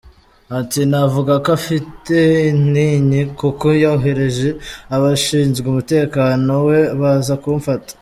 Ati “Navuga ko afite intinyi, kuko yohereje abashinzwe umutekano we baza kumfata.